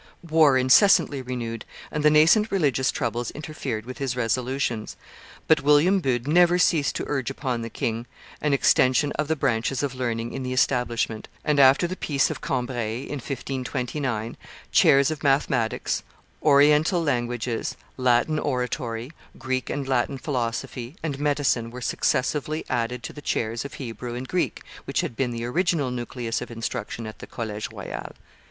War incessantly renewed and the nascent religious troubles interfered with his resolutions; but William Bude never ceased to urge upon the king an extension of the branches of learning in the establishment; and after the Peace of Cambrai in 1529, chairs of mathematics, Oriental languages, Latin oratory, Greek and Latin philosophy, and medicine were successively added to the chairs of Hebrew and Greek which had been the original nucleus of instruction in the College Royal.